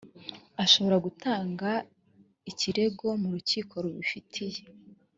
ashobora gutanga ikirego mu rukiko rubifitiye